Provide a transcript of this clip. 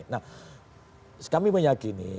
nah kami meyakini